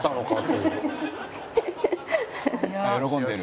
「喜んでる」